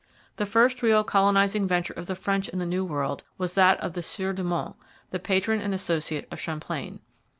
The first real colonizing venture of the French in the New World was that of the Sieur de Monts, the patron and associate of Champlain.